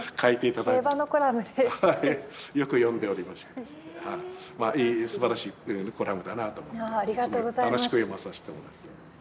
はいよく読んでおりましてすばらしいコラムだなと思って楽しく読まさしてもらっています。